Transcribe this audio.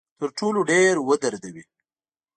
تر ټولو ډیر ودردوي.